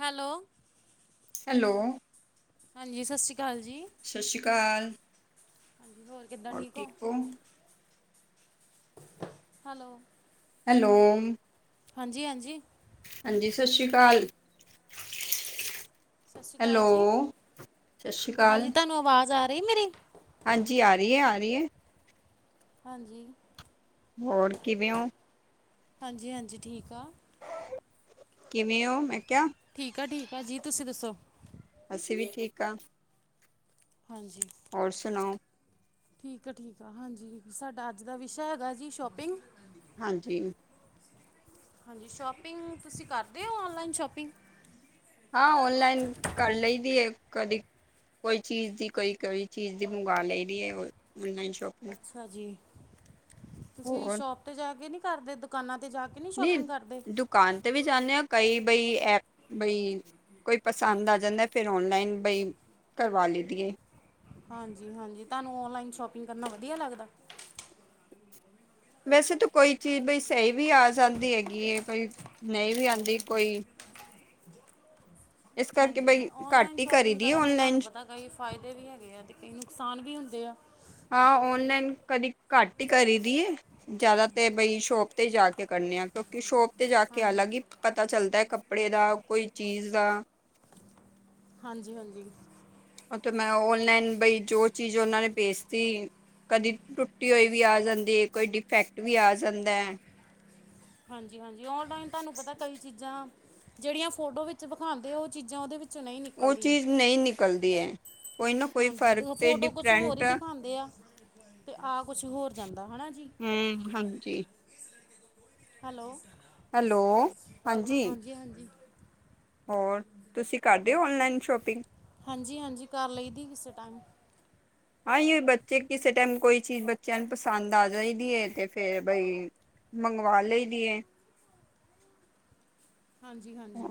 Hello. Hello. ਹਾਂਜੀ, ਸਸ ਸੀ਼ ਕਾਲ ਜੀ। ਸ਼ਸੀ਼ ਕਾਲ। ਹਾਂਜੀ, ਹੋਰ ਕਿੱਦਾਂ ਔਰ, ਠੀਕ ਹੋ? ਔ? ਹੈਲੋ। ਹੈਲੋ। ਹਾਂਜੀ-ਹਾਂਜੀ। ਹਾਂਜੀ, ਸਸ ਸ੍ਰੀ ਕਾਲ। ਸਸ ਸੀ਼ ਕਾਲ ਜੀ, ਸਤਿ ਸ਼੍ਰੀ ਅਕਾਲ ਹਾਂਜੀ ਤੁਆਨੂੰ ਆਵਾਜ਼ ਆ ਰਈ ਏ ਮੇਰੀ? ਹਾਂਜੀ, ਆ ਰਈ ਐ, ਆ ਰਈ ਐ। ਹਾਂਜੀ। ਹੋਰ, ਕਿਵੇਂ ਔ? ਹਾਂਜੀ-ਹਾਂਜੀ, ਠੀਕ ਆਂ। ਕਿਵੇਂ ਔ? ਮੈਂ ਕਿਆ। ਠੀਕ ਆ, ਠੀਕ ਆ ਜੀ, ਤੁਸੀਂ ਦੱਸੋ? ਅਸੀਂ ਵੀ ਠੀਕ ਆਂ। ਹਾਂਜੀ। ਹੋਰ ਸੁਣਾਓ? ਠੀਕ ਆ ਠੀਕ ਆ ਹਾਂਜੀ, ਸਾਡਾ ਅੱਜ ਦਾ ਵਿਸ਼ਾ ਹੈਗਾ ਜੀ ਸ਼ੋਪਿੰਗ। ਹਾਂਜੀ। ਹਾਂਜੀ, ਸ਼ੋਪਿੰਗ ਤੁਸੀਂ ਕਰਦੇ ਔ, ਔਨਲਾਈਨ ਸ਼ੋਪਿੰਗ? ਹਾਂ, ਔਨਲਾਈਨ ਕਰ ਲਈ ਦੀ ਏ ਕਦੀ ਕੋਈ ਚੀਜ਼ ਦੀ ਕੋਈ ਕੋਈ ਚੀਜ਼ ਦੀ ਮੰਗਵਾ ਲਈ ਦੀ ਏ ਔ ਔਨਲਾਈਨ ਸ਼ੋਪਿੰ ਅੱਛਾ ਜੀ, ਤੁਸੀਂ ਵੀ ਹੋਰ ਸ਼ੋਪ ਤੇ ਜਾ ਕੇ ਨੀ ਕਰਦੇ ਦੁਕਾਨਾਂ ਤੇ ਜਾ ਕੇ ਨਹੀਂ ਨੀ ਸ਼ੋਪਿੰਗ ਕਰਦੇ? ਦੁਕਾਨ ਤੇ ਵੀ ਜਾਂਦੇ ਆਂ, ਕਈ ਬਈ ਐ ਬਈ ਕੋਈ ਪਸੰਦ ਆ ਜਾਂਦਾ ਫੇਰ ਔਨਲਾਈਨ ਬਈ ਕਰਵਾ ਲੀ ਦੀ ਏ। ਹਾਂਜੀ-ਹਾਂਜੀ, ਤਾਨੂੰ ਔਨਲਾਈਨ ਸ਼ੋਪਿੰਗ ਕਰਨਾ ਵਧੀਆ ਲੱਗਦਾ? ਵੈਸੇ ਤੇ ਕੋਈ ਚੀਜ਼ ਬਈ ਸਹੀ ਵੀ ਆ ਜਾਂਦੀ ਹੈਗੀ ਏ ਕੋਈ ਨਈ ਵੀ ਆੰਦੀ ਕੋਈ ਇਸ ਕਰਕੇ ਹਾਂਜੀ, ਬਈ ਘੱਟ ਔਨਲਾਈਨ ਹੀ ਕਰੀ ਸ਼ੋਪਿੰਗ ਦੀ ਕਰਨ ਦੇ ਔਨਲਾਈਨ ਤਾਨੂੰ ਪਤਾ ਕਈ ਫਾਇਦੇ ਵੀ ਹੈਗੇ ਐ ਤੇ ਕਈ ਨੁਕਸਾਨ ਵੀ ਹੁੰਦੇ ਆ। ਹਾਂ, ਔਨਲਾਈਨ ਕਦੀ ਘੱਟ ਈ ਕਰੀ ਦੀ ਏ। ਜਾਦਾ ਤੇ ਬਈ ਸ਼ੋਪ ਤੇ ਈ ਜਾ ਕੇ ਕਰਨੇ ਆ, ਕਿਉਂਕਿ ਸ਼ੋਪ ਤੇ ਜਾ ਕੇ ਹਾਂਜੀ, ਅਲੱਗ ਈ ਪਤਾ ਚੱਲਦਾ ਕੱਪੜੇ ਦਾ, ਕੋਈ ਚੀਜ਼ ਦਾ। ਹਾਂਜੀ-ਹਾਂਜੀ। ਔ ਤੇ ਮੈਂ ਔਨਲਾਈਨ ਬਈ ਜੋ ਚੀਜ਼ ਓਨਾਂ ਨੇ ਭੇਜਤੀ ਕਦੀ ਟੁੱਟੀ ਹੋਈ ਵੀ ਆ ਜਾਂਦੀ ਕੋਈ ਡਿਫੈਕਟ ਵੀ ਆ ਜਾਂਦਾ। ਹਾਂਜੀ-ਹਾਂਜੀ ਔਨਲਾਈਨ ਤੁਹਾਨੂੰ ਪਤਾ ਕਈ ਚੀਜ਼ਾਂ ਜਿਹੜੀਆਂ ਫੋਟੋ ਵਿੱਚ ਵਿਖਾਉਂਦੇ ਉਹ ਚੀਜ਼ਾਂ ਓਦੇ ਵਿੱਚ ਔ ਚੀਜ਼ ਨਈ ਨਿਕਲਦੀ ਏ। ਹਾਂਜੀ ਦੋ ਫੋਟੋ ਕੁਛ ਹੋਰ ਹੀ ਦਿਖਾਉਂਦੇ ਆ। ਤੇ ਆ ਕੁਛ ਹੋਰ ਜਾਂਦਾ ਹਨਾ ਜੀ। ਹਮ ਹਾਂਜੀ ਹੈਲੋ। ਹੈਲੋ ਹਾਂਜੀ। ਹਾਂਜੀ-ਹਾਂਜੀ। ਹੋਰ ਤੁਸੀਂ ਕਰਦੇ ਓ ਔਨਲਾਈਨ ਸ਼ੋਪਿੰਗ? ਹਾਂਜੀ-ਹਾਂਜੀ ਕਰ ਲਈ ਦੀ ਕਿਸੇ ਟਾਈਮ। ਹਾਂ ਜ ਬੱਚੇ ਕਿਸੇ ਟਾਈਮ ਕੋਈ ਚੀਜ਼ ਬੱਚਿਆਂ ਨੂੰ ਪਸੰਦ ਆ ਜਾਈਦੀ ਹੈ ਤੇ ਫੇਰ ਬਈ ਮੰਗਵਾ ਲਈ ਦੀ ਏ। ਹਾਂਜੀ-ਹਾਂਜੀ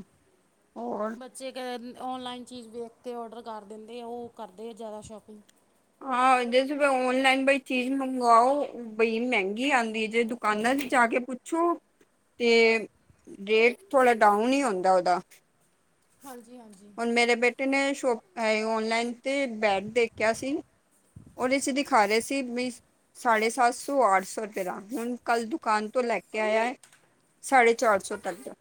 ਬ ਚੇ ਕਹਿਣ ਔਨਲਾਈਨ ਚੀਜ਼ ਵੇਖ ਕੇ ਔਡਰ ਕਰ ਦਿੰਦੇ ਆ ਉਹ ਕਰਦੇ ਆ ਜਾਦਾ ਸ਼ੋਪਿੰਗ। ਹਾਂ ਜੈਸੇ ਭੀ ਔਨਲਾਈਨ ਕੋਈ ਚੀਜ਼ ਮੰਗਵਾਓ ਬਈ ਮੈਂਗੀ ਆਂਦੀ ਏ ਜੇ ਦੁਕਾਨਾਂ ਤੇ ਜਾ ਕੇ ਪੁੱਛੋ ਤੇ ਰੇਟ ਥੋੜਾ ਡਾਊਨ ਈ ਹੁੰਦਾ ਓਦਾ। ਹਾਂਜੀ-ਹਾਂਜੀ। ਮੇਰੇ ਬੇਟੇ ਨੇ ਸ਼ੋਪ ਅ ਔਨਲਾਈਨ ਤੇ ਬੈਟ ਦੇਖਿਆ ਸੀ ਓਦੇ ਚ ਦਿਖਾ ਰੇ ਸੀ ਬੀ ਸਾਢੇ ਸੱਤ ਸੌ-ਅੱਠ ਸੌ ਰੁਪਏ ਦਾ ਹੁਣ ਕੱਲ ਦੁਕਾਨ ਤੋਂ ਲੈ ਕੇ ਆਯਾ ਐ ਸਾਢੇ ਚਾਰ ਸੌ ਤੱਕ ਦਾ।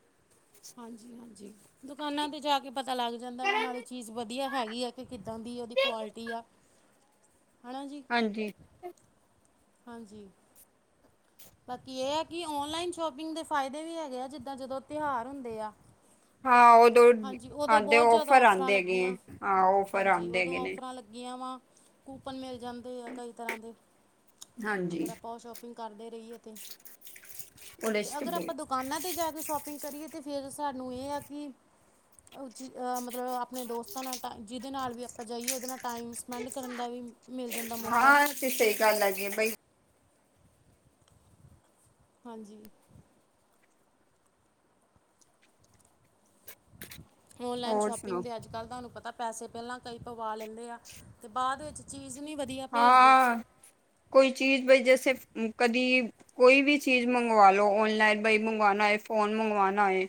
ਹਾਂਜੀ-ਹਾਂਜੀ। ਦੁਕਾਨਾਂ ਤੇ ਜਾ ਕੇ ਪਤਾ ਲੱਗ ਜਾਂਦਾ ਵਾ ਨਾਲੇ ਚੀਜ਼ ਵਧੀਆ ਹੈਗੀ ਐ ਕਿ ਕਿੱਦਾਂ ਦੀ ਓਦੀ ਕੁਆਲਿਟੀ ਆ ਹਨਾ ਜੀ। ਹਾਂਜੀ। ਹਾਂਜੀ। ਬਾਕੀ ਏ ਆ ਕਿ ਔਨਲਾਈਨ ਸ਼ੋਪਿੰਗ ਦੇ ਫਾਇਦੇ ਵੀ ਹੈਗੇ ਆ ਜਿੱਦਾਂ ਜਦੋਂ ਤਿਉਹਾਰ ਹੁੰਦੇ ਆ। ਹਾਂ ਉਦੋਂ ਹਾਂਜੀ ਓਦੋਂ ਆਉਂਦੇ ਬੋਹਤ ਜ਼ਿਆਦਾ ਔਫਰ ਔਫਰਾਂ ਆਉਂਦੇ ਲੱਗੀਆਂ ਹੈਗੇ ਹਾਂ ਔਫਰ ਹਾਂਜੀ ਆਉਂਦੇ ਓਦੋਂ ਹੈਗੇ ਨੇ ਔਫਰਾਂ ਲੱਗ ਲਗੀਆ ਵਾਂ। ਕੂਪਨ ਮਿਲ ਜਾਂਦੇ ਆ ਕਈ ਤਰ੍ਹਾਂ ਦੇ, ਹਾਂਜੀ ਅਗਰ ਆਪਾਂ ਓ ਸ਼ੋਪਿੰਗ ਕਾਰਦੇ ਰਈਏ ਤੇ, ਉਹਦੇ ਤੇ ਅਗਰ ਆਪਾਂ ਦੁੱਕ ਕਾਨਾਂ ਤੇ ਜਾ ਕੇ ਸ਼ੋਪਿੰਗ ਕਰੀਏ ਤੇ ਫੇਰ ਸਾਨੂੰ ਏ ਆ ਕਿ ਜ ਅ ਮਤਲਬ ਆਪਣੇ ਦੋਸਤਾਂ ਨਾਲ ਟ ਜਿਦੇ ਨਾਲ ਵੀ ਆਪਾਂ ਜਾਈਏ ਓਦੇ ਨਾਲ ਟਾਈਮ ਸਪੈਂਡ ਕਰਨ ਦਾ ਵੀ ਮਿਲ ਜਾਂਦਾ ਮੌਕਾ। ਹਾਂ ਤੇ ਸਈ ਗੱਲ ਹੈਗੀ ਏ ਬਈ। ਹਾਂਜੀ। ਔਨਲਾਈਨ ਹੋਰ ਸੁਣਾਓ ਸ਼ੋਪਿੰਗ ਦੇ ਅੱਜ-ਕੱਲ ਤਾਨੂੰ ਪਤਾ ਪੈਸੇ ਪੈਲਾਂ ਕਈ ਪਵਾ ਲੈਂਦੇ ਆ ਤੇ ਬਾਅਦ ਵਿੱਚ ਚੀਜ਼ ਨੀ ਵਧੀਆ ਭੇਜਦੇ ਹਾਂ ਕੋਈ ਚੀਜ਼ ਬਈ ਜੈਸੇ ਕਦੀ ਕੋਈ ਵੀ ਚੀਜ਼ ਮੰਗਵਾ ਲੋ ਔਨਲਾਈਨ ਬਈ ਮੰਗਵਾਣਾ ਹੈਏ ਫੋਨ ਮੰਗਵਾਣਾ ਹੋਏ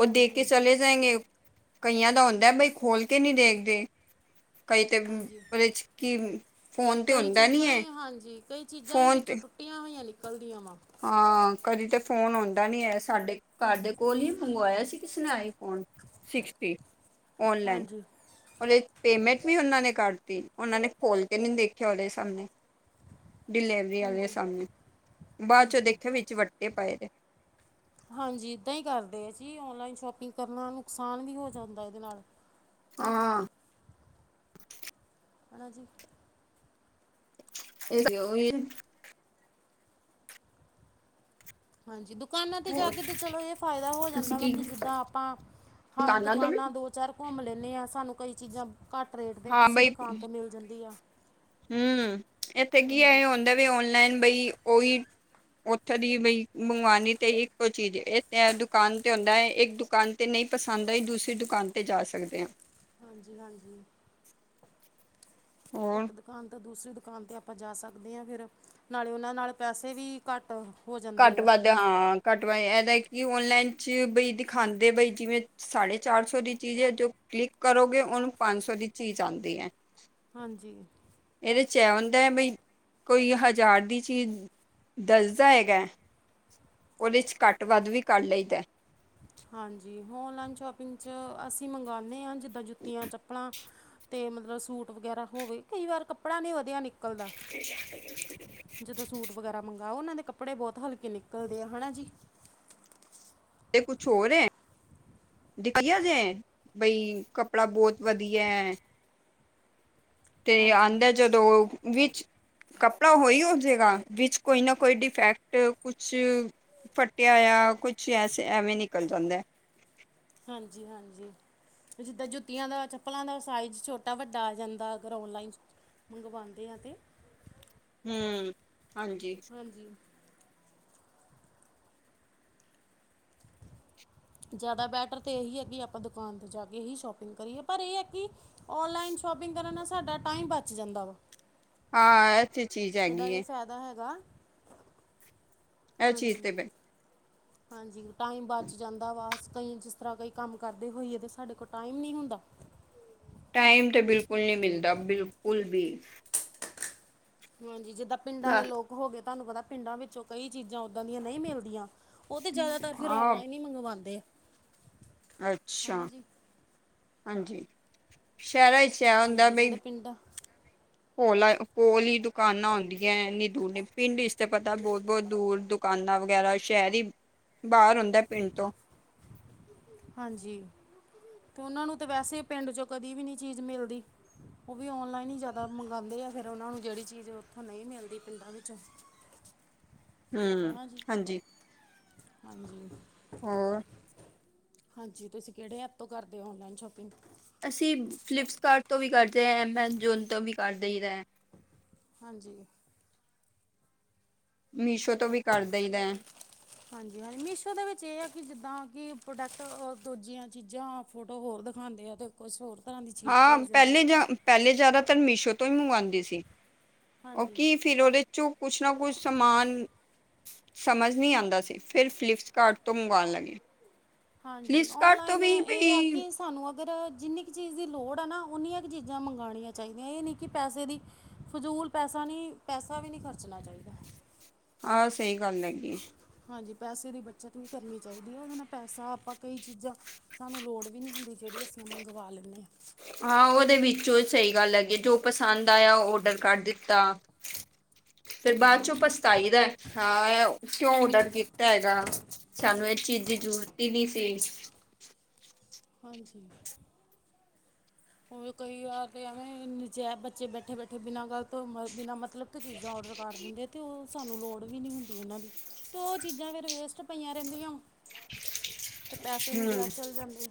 ਓ ਦੇ ਹਾਂਜੀ ਕੇ ਚਲੇ ਜਾਏਂਗੇ ਕਈਆਂ ਦਾ ਹੁੰਦਾ ਬਈ ਖੋਲ ਕੇ ਨੀ ਦੇਖਦੇ ਕਈ ਤੇ ਹਾਂਜੀ ਵ੍ਰੇਚ ਕਿ ਕਈ ਚੀਜ਼ਾਂ ਈ ਹਾਂਜੀ ਕਈ ਚੀਜ਼ਾਂ ਈ ਫੋਨ ਤੇ ਵਿੱਚੋਂ ਟੁੱਟੀਆਂ ਹੋਈਆਂ ਨਿਕਲਦੀਆਂ ਵਾ। ਹਾਂ ਕਦੀ ਤੇ ਫੋਨ ਹੁੰਦਾ ਨੀ ਐ ਸਾਡੇ ਕੱਰ ਦੇ ਕੋਲ ਈ ਮੰਗਵਾਇਆ ਸੀ ਕਿਸ ਨੇ ਆਈ ਫੋਨ ਸਿਕਸਟੀ ਔਨਲੈਨ ਹਾਂਜੀ ਓਦੇ ਪੇਮੈਂਟ ਵੀ ਓਨਾਂ ਨੇ ਕਾਰਤੀ ਓਨਾਂ ਨੇ ਖੋਲ ਕੇ ਨੀ ਦੇਖਿਆ ਓਦੇ ਸਾਮਣੇ ਡਿਲੇਵਰੀ ਵਾਲੇ ਹਾਂਜੀ ਸਾਮਣੇ ਬਾਅਦ ਚੋਂ ਹਾਂਜੀ ਦੇਖਿਆ ਵਿੱਚ ਵੱਟੇ ਪਾਏ ਦੇ। ਹਾਂਜੀ ਏਦਾਂ ਈ ਕਾਰਦੇ ਆ ਜੀ ਔਨਲਾਈਨ ਸ਼ੋਪਿੰਗ ਕਰ ਨਾਲ ਨੁਕਸਾਨ ਵੀ ਹੋ ਜਾਂਦਾ ਏਦੇ ਨਾਲ। ਆਂ। ਹੈਨਾ ਜੀ ਏ ਤੇ ਓ ਈ ਏ। ਹਾਂਜੀ, ਦੁਕਾਨਾਂ ਤੇ ਜਾ ਹੋਰ ਕੇ ਤੇ ਚਲੋ ਏ ਫਾਯਦਾ ਹੋ ਤੁਸੀਂ ਜਾਂਦਾ ਵਾ, ਕੀ ਕਿ ਜਿੱਦਾਂ ਆਪਾਂ ਹਾਂ ਤੋਂ ਵੀ ਦੁਕਾਨਾਂ ਦੋ ਚਲ ਘੁੰਮ ਲੈਂਣੇ ਆਂ ਸਾਨੂੰ ਕਈ ਚੀਜ਼ਾਂ ਕਟ ਰੇਟ ਤੇ ਹਾਂ ਕਿਸੇ ਬਈ ਦੁਕਾਨ ਤੋਂ ਮਿਲ ਜਂਦੀ ਆ ਹੂੰ ਇੱਥੇ ਕੀ ਹਾਂਜੀ ਐਏ ਹੁੰਦਾ ਵੀ ਔਨਲਾਈਨ ਬਈ ਓਈ ਓਥੋਂ ਦੀ ਬਈ ਮੰਗਵਾਨੀ ਤੇ ਇੱਕੋ ਚੀਜ਼, ਇਥ ਦੁਕਾਨ ਤੇ ਹੁੰਦਾ ਐ ਇੱਕ ਦੁਕਾਨ ਤੇ ਨਈ ਪਸੰਦ ਆਈ, ਦੂਸਰੀ ਦੁਕਾਨ ਤੇ ਜਾ ਸਕਦੇ ਆਂ। ਹਾਂਜੀ-ਹਾਂਜੀ। ਹੋਰ ਇੱਕ ਦੁਕਾਨ ਤੋਂ ਦੂਸਰੀ ਦੁਕਾਨ 'ਤੇ ਆਪਾਂ ਜਾ ਸਕਦੇ ਹਾਂ ਫਿਰ ਨਾਲੇ ਓਨਾਂ ਨਾਲ ਪੈਸੇ ਵੀ ਘੱਟ ਹੋ ਘੱਟ ਜਾਂਦੇ ਆ। ਵੱਧ ਹਾਂ ਘੱਟ ਵਾ ਏਦਾ ਹੀ ਔਨਲਾਈਨ 'ਚ ਬਈ ਦਿਖਾਂਦੇ ਬਈ ਜਿਵੇਂ ਸਾਢੇ ਚਾਰ ਸੌ ਦੀ ਚੀਜ਼ ਏ, ਜੋ ਕਲਿੱਕ ਕਰੋਗੇ ਓਨੂੰ ਪੰਜ ਸੌ ਦੀ ਚੀਜ਼ ਆਂਦੀ ਐ। ਹਾਂਜੀ ਏਦੇ 'ਚ ਐ ਹੁੰਦਾ ਬ‌ਈ, ਕੋਈ ਹਜ਼ਾਰ ਦੀ ਚੀਜ਼ ਦੱਸਦਾ ਹੈਗਾ ਓਦੇ 'ਚ ਘੱਟ ਵੱਧ ਵੀ ਕਰ ਲਈਦਾ। ਹਾਂਜੀ ਔਨਲਾਈਨ ਸ਼ੋਪਿੰਗ 'ਚ ਅਸੀਂ ਮੰਗਣੇ ਆਂ ਜਿੱਦਾਂ ਜੁੱਤੀਆਂ ਚੱਪਲਾਂ ਤੇ ਮਤਲਬ ਸੂਟ ਵਗੈਰਾ ਹੋਵੇ, ਕਈ ਵਾਰ ਕੱਪੜਾ ਨੀ ਵਧੀਆ ਨਿਕਲ [inaudible] ਜਦੋਂ ਸੂਟ ਵਗੈਰਾ ਮੰਗਾਓ, ਓਨਾਂ ਦੇ ਕੱਪੜੇ ਬੋਤ ਹਲਕੇ ਨਿਕਲਦੇ ਆ ਹਨਾ ਜੀ। ਤੇ ਕੁੱਛ ਹੋਰ ਐ। [unintelligible] ਜੇ ਬਈ ਕੱਪੜਾ ਬਹੁਤ ਵਧੀਆ ਤੇ ਹਾਂਜੀ। ਆਂਦਾ ਜਦੋਂ ਵਿੱਚ ਕੱਪੜਾ ਓਹੀ ਹੋਜੇ ਗਾ, ਵਿੱਚ ਕੋਈ ਨਾ ਕੋਈ ਡਿਫੈਕਟ ਕੁਛ ਫੱਟਿਆ ਆ ਕੁਛ ਐਸੇ, ਐਵੇਂ ਨਿਕਲ ਜਾਂਦਾ। ਹਾਂਜੀ ਹਾਂਜੀ ਜਿੱਦਾਂ ਜੁੱਤੀਆਂ ਦਾ, ਚੱਪਲਾਂ ਦਾ, ਸਾਈਜ਼ ਛੋਟਾ ਵੱਡਾ ਆ ਜਾਂਦਾ, ਅਗਰ ਔਣਲਾਈਨ ਮੰਗਵਾਂਦੇ ਆ ਤੇ ਹੂੰ ਹਾਂਜੀ ਹਾਂਜੀ ਜਾਦਾ ਬੈਟਰ ਤੇ ਏਹੀ ਆ ਕੀ ਆਪਾਂ ਦੁਕਾਨ ਤੇ ਜਾ ਕੇ ਹੀ ਸ਼ੋਪਿੰਗ ਕਰੀਏ। ਪਰ ਏ ਆ ਕੀ ਔਨਲਾਈਨ ਸ਼ੋਪਿੰਗ ਕਰਨ ਨਾਲ ਸਾਡਾ ਟਾਈਮ ਬਚ ਜਾਂਦਾ ਵਾ। ਆ ਏ ਤੇ ਚੀਜ਼ ਹੈਗੀ ਏ। ਕਿਦਾਂ ਹੈਗਾ। ਇਹ ਚੀਜ਼ ਹਾਂਜੀ ਤੇ ਬ ਹਾਂਜੀ, ਟਾਈਮ ਬਚ ਜਾਂਦਾ ਵਾ ਕਈ ਜਿਸ ਤਰ੍ਹਾਂ ਕਈ ਕੰਮ ਕਰਦੇ ਹੋਈਏ, ਤਾਂ ਸਾਡੇ ਕੋਲ ਟਾਈਮ ਨੀ ਹੁੰਦਾ। ਟਾਈਮ ਤੇ ਬਿਲਕੁਲ ਨੀ ਮਿਲਦਾ, ਬਿਲਕੁਲ ਵੀ। ਹਾਂਜੀ, ਜਿੱਦਾਂ ਪਿੰਡਾਂ ਦੇ ਲੋਕ ਹੋ ਗਏ, ਤਾਨੂੰ ਪਤਾ ਪਿੰਡਾਂ ਵਿੱਚੋਂ ਕਈ ਚੀਜ਼ਾਂ ਓਦਾਂ ਦੀਆਂ ਨਈ ਮਿਲਦੀਆਂ। ਓ ਤੇ ਜਾਦਾਤਰ ਫੇਰ ਹਾਂ, ਓਨਲਾਈਨ ਈ ਮੰਗਵਾਂਦੇ। ਅੱਛਾ ਹਾਂਜੀ ਸੈ਼ਰਾਂ 'ਚ ਹਾਂਜੀ, ਜੇੜੇ ਪਿੰਡਾਂ ਹੋਲ ਆਏ ਕੋਲ ਈ ਦੁਕਾਨਾਂ ਹੁੰਦੀਆਂ, ਏਨੀ ਦੂਰ ਨੀ ਪਿੰਡ ਇਚ ਤੇ ਪਤਾ ਬੋਤ ਬੋਤ ਦੂਰ ਦੁ ਦਕਾਨਾਂ ਵਗੈਰਾ, ਸੈ਼ਰ ਈ ਬਾਰ ਹੁੰਦਾ ਪਿੰਡ ਤੋਂ ਹਾਂਜੀ ਤੇ ਓਨਾਂ ਨੂੰ ਤੇ ਵੈਸੇ, ਪਿੰਡ ਚੋਂ ਕਦੀ ਵੀ ਨੀ ਚੀਜ਼ ਮਿਲਦੀ। ਓ ਵੀ ਔਨਲਾਇਨ ਈ ਜਾਦਾ ਮੰਗਾਂਦੇ ਆ, ਫੇਰ ਓਨਾ ਨੂੰ ਜੇੜੀ ਚੀਜ਼ ਓਥੋ ਨ‌ਈ ਮਿਲਦੀ, ਪਿੰਡਾਂ ਵਿੱਚੋਂ ਹੈ ਹੂੰ ਨਾ ਜੀ ਹਾਂਜੀ ਹਾਂਜੀ ਹੋਰ ਹਾਂਜੀ, ਤੁਸੀਂ ਕੇੜੇ ਐਪ ਤੋਂ ਕਰਦੇ ਓ ਔਨਲਾਈਨ ਸ਼ੋਪਿੰਗ। ਅਸੀਂ ਫਲਿੱਪਸਕਾਰਟ ਤੋਂ ਵੀ ਕਰਦੇ ਐ ਐਮਾਜੋਨ ਤੋਂ ਵੀ ਕਰ ਦੇਈ ਦਾ। ਹਾਂਜੀ। ਮੀਸ਼ੋ ਤੋਂ ਵੀ ਕਰ ਦਈ ਦਾ। ਹਾਂਜੀ-ਹਾਂਜੀ ਮੀਸ਼ੋ ਦੇ ਵਿੱਚ ਏ ਆ ਕੀ ਜਿੱਦਾਂ ਕੀ ਪ੍ਰੋਡਕਟ ਆ ਦੂਜੀਆਂ ਚੀਜ਼ਾਂ ਫੋਟੋ ਹੋਰ ਦਿਖਾਂਦੇ ਆ ਤੇ। ਕੁਛ ਹੋਰ ਤਾ ਨੀ। ਹਾਂ ਪਹਿਲੇ ਜਾ, ਪਹਿਲੇ ਜਾਦਾਤਰ ਮੀਸ਼ੋ ਤੋਂ ਹੀ ਮੰਗਵਾਂਦੇ ਸੀ। ਓ ਹਾਂਜੀ ਕੀ। ਫਿਰ ਓਦੇ ਚੋਂ ਕੁਛ ਨਾ ਕੁਛ ਸਮਾਨ। ਸਮਜ਼ ਨੀ ਆਂਦਾ ਸੀ। ਫਿਰ ਫਲਿੱਪਕਾਰਟ ਤੋਂ ਮੰਗਾਂਨ ਲੱਗੇ। ਹਾਂਜੀ, ਫਲਿੱਪਕਾਰਟ ਤੋਂ ਔਨਲਾਈਨ ਵੀ ਏਹ ਆ ਬਈ ਕਿ। ਤਾਂਨੂੰ ਅਗਰ ਜਿੰਨੀ ਕੁ ਚੀਜ਼ ਦੀ ਲੋੜ ਹੈ ਨਾ ਉਨੀਆਂ ਕੁ ਚੀਜ਼ਾਂ ਮੰਗਾਂਨੀਆ ਚਾਹੀਦੀਆਂ। ਏਹ ਨਹੀਂ ਕਿ ਪੈਸੇ ਦੀ। ਫਜੂਲ ਪੈਸਾ ਨੀ ਪੈਸਾ ਵੀ ਨਹੀਂ ਖਰਚਣਾ ਚਾਇਦਾ। ਹਾਂ ਸਹੀ ਗੱਲ ਹੈਗੀ। ਹਾਂਜੀ, ਪੈਸੇ ਦੀ ਬੱਚਤ ਵੀ ਕਰਨੀ ਚਾਇਦੀ ਏ। ਨਾ ਪੈਸਾ ਆਪਾਂ ਕਈ ਚੀਜ਼ਾਂ। ਸਾਨੂੰ ਲੋੜ ਵੀ ਨਹੀਂ ਹੁੰਦੀ ਜੇੜੀ ਅਸੀਂ ਮੰਗਵਾ ਲੈਂਦੇ ਆਂ। ਹਾਂ, ਉਦੇ ਵਿੱਚੋਂ ਸਹੀ ਗੱਲ ਹੈਗੀ। ਜੋ ਪਸੰਦ ਆਯਾ ਓਡਰ ਕਰ ਦਿੱਤਾ। ਫੇਰ ਬਾਦ ਹਾਂਜੀ ਚੋਂ ਪਛਤਾਈ ਦਾ। ਹਾਂ ਕਿਉਂ ਔਡਰ ਕੀਤਾ ਹੈਗਾ। ਸਾਨੂੰ ਇਸ ਚੀਜ਼ ਦੀ ਜ਼ਰੂਰਤ ਈ ਨੀ ਸੀ। ਹਾਂਜੀ। ਕਈ ਵਾਰ ਤੇ, ਐਵੇਂ ਜੈ ਬੱਚੇ ਬੈਠੇ-ਬੈਠੇ ਬਿਨਾਂ ਗਲ ਤੋਂ ਬਿਨਾਂ ਮ। ਗਲਤ ਚੀਜ਼ਾਂ ਓਡਰ ਕਰ ਦਿੰਦੇ। ਅਤੇ ਉਹ ਸਾਨੂੰ ਲੋੜ ਵੀ ਨਹੀਂ ਹੁੰਦੀ ਓਨਾਂ ਦੀ। ਤੇ ਓਹ ਚੀਜ਼ਾਂ ਫੇਰ ਵੇਸਟ ਪਈਆਂ ਰੈਦੀਆਂ ਵਾ। ਤੇ ਪੈਸੇ ਨੂੰ ਹਮ ਜੇਯਾ ਚੱਲ ਜਾਂਦੇ।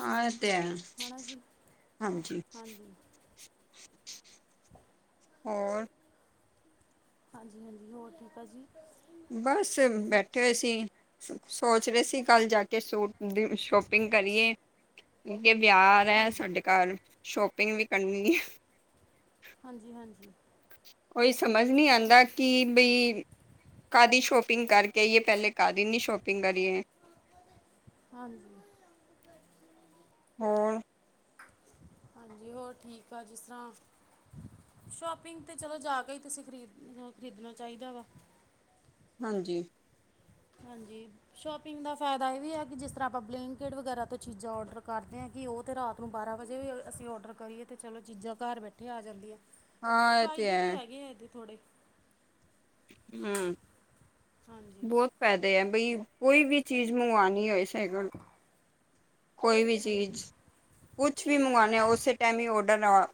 ਹਾਂ, ਅਹ ਤੇ ਹੈ ਨਾ ਜੀ ਹਾਂਜੀ। ਹਾਂਜੀ ਹੋਰ। ਹਾਂਜੀ- ਹਾਂਜੀ ਹੋਰ ਠੀਕ ਆ ਜੀ? ਬਸ ਬੈਠੇ ਹੋਏ ਬਾਕੀ ਸੀ। ਸੋਚ ਰੇ ਸੀ ਕੱਲ੍ਹ ਜਾ ਕੇ ਸੂਟ ਦੀ ਸ਼ੋਪਿੰਗ ਕਰੀਏ। ਕਿਉਕਿ ਵਿਆਹ ਆ ਰਿਹਾ ਹਾਂਜੀ ਸਾਡੇ ਘਰ ਸ਼ੋਪਿੰਗ ਵੀ ਕਰਨੀ ਏ। ਹਾਂਜੀ-ਹਾਂਜੀ। ਕੋਈ ਸਮਝ ਨਹੀਂ ਆਂਦਾ ਕਿ ਬਈ। ਕਾਦੀ ਸ਼ੋਪਿੰਗ ਕਰਕੇ ਆਈਏ, ਪਹਿਲੇ ਕਾਦੀ ਨੀ ਸ਼ੋਪਿੰਗ ਕਰੀਏ। ਹਾਂਜੀ। ਹੋਰ ਹਾਂਜੀ, ਹੋਰ ਠੀਕ ਆ। ਜਿਸ ਤਰ੍ਹਾਂ। ਸ਼ੋਪਿੰਗ ਤੇ ਚਲੋ ਜਾ ਕੇ ਹੀ ਤੁਸੀਂ ਖਰੀਦ ਖਰੀਦਨਾ ਚਾਇਦਾ ਵਾ। ਹਾਂਜੀ। ਹਾਂਜੀ। ਸ਼ੋਪਿੰਗ ਦਾ ਫਾਇਦਾ ਇਹ ਵੀ ਹੈ ਕਿ ਜਿਸ ਤਰ੍ਹਾਂ ਆਪਾਂ ਬਲੈਂਕਿਟ ਵਗੈਰਾ ਤੋਂ ਚੀਜ਼ਾਂ ਔਡਰ ਕਰਦੇ ਆ, ਕਿ ਉਹ ਤਾਂ ਰਾਤ। ਊਂ ਬਾਰਾਂ ਵਜੇ ਵੀ ਅਸੀਂ ਔਡਰ ਕਰੀਏ ਤੇ ਚਲੋ ਚੀਜ਼ਾਂ ਘਰ ਬੈਠੇ ਆ ਜਾਂਦੀਆਂ। ਹਾਂ ਇਹ ਫਾਇਦੇ ਤੇ ਹੈ ਹੈਗੇ ਆ ਇਹਦੇ ਥੋੜੇ। ਹੂੰ। ਹਾਂਜੀ ਬੋਤ ਫਾਇਦੇ ਅ। ਬਈ ਕੋਈ ਵੀ ਚੀਜ਼ ਮੰਗਵਾਨੀ ਹੋਏ। ਕੋਈ ਵੀ ਹਾਂਜੀ ਚੀਜ਼। ਕੁਛ ਵੀ ਮੰਗਵਾਉਣੇ ਓਸੇ ਟਾਈਮ ਈ ਔਡਰ ਆ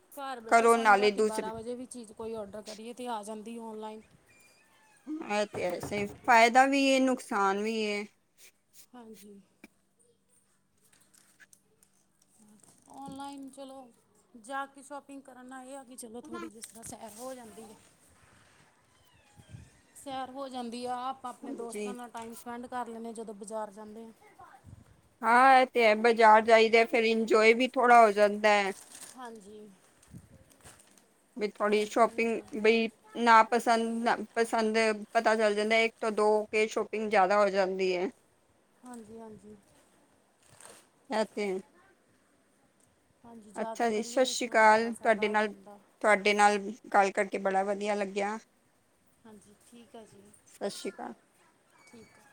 ਕਰੋ, ਨਾਲੇ ਦੂਸਰੇ। ਜੇ ਵੀ ਚੀਜ਼ ਕੋਈ ਔਡਰ ਕਰੀਏ ਤੇ, ਆ ਜਾਂਦੀ ਔਨਲਾਈਨ। ਇਹ ਤੇ ਹ ਸੇਫ, ਫਾਇਦਾ ਵੀ ਏ ਨੁਕਸਾਨ ਵੀ ਏ। ਹਾਂਜੀ। ਔਨਲਾਈਨ ਚਲੋ ਜਾ ਕੇ ਸ਼ੋਪਿੰਗ ਕਰਨ ਆਏ ਆ ਕਿ ਚਲੋ ਥੋੜ੍ਹੀ ਜਿਸ ਤਰ੍ਹਾਂ ਸੈਰ ਹੋ ਜਾਂਦੀ ਏ, ਸੈਰ ਹੋ ਜਾਂਦੀ ਆਪ ਆਪਣੇ ਜੀ ਦੋਸਤਾਂ ਨਾਲ ਟਾਈਮ ਸਪੈਂਡ ਕਰ ਲੈਨੇ ਆਂ ਜਦੋਂ ਬਜਾਰ ਜਾਂਨੇ ਆਂ। ਹਾਂ, ਐ ਤੇ ਹੈ। ਬਜਾਰ ਜਾਈਦੈ ਫਿਰ ਇੰਜੋਏ ਵੀ ਥੋੜਾ ਹੋ ਜਾਂਦੈ। ਹਾਂਜੀ। ਬੀ ਥੋੜੀ ਜੀ ਹਾਂਜੀ ਸ਼ੋਪਿੰਗ ਬਈ ਨਾ ਪਸੰਦ, ਨ ਪਸੰਦ ਪਤਾ ਚੱਲ ਜਾਂਦੈ। ਏੱਕ ਤੋਂ ਦੋ ਫੇਰ ਸ਼ੋਪਿੰਗ ਜਾਦਾ ਹੋ ਜਾਂਦੀ ਏ। ਹਾਂਜੀ-ਹਾਂਜੀ। ਐ ਤੇ ਹੈ। ਹਾਂਜੀ ਜਾ ਅੱਛਾ ਕੇ ਜੀ ਕਰੀਏ ਸਸ ਤਾਂ ਸ਼੍ਰੀ ਥੋੜ੍ਹਾ ਕਾਲ, ਜ਼ਿਆਦਾ ਤੁਆਡੇ ਫਾਇਦਾ ਨਾਲ ਰਹਿੰਦਾ ਤੁਆਡੇ ਨਾਲ ਗੱਲ ਕਰਕੇ ਬੜਾ ਵਧੀਆ ਲੱਗਿਆ। ਹਾਂਜੀ ਠੀਕ ਆ ਜੀ। ਸਤਿ ਸਸ ਸ਼੍ਰੀ ਸ੍ਰੀ ਅਕਾਲ ਕਾਲ, ਠੀਕ ਆ।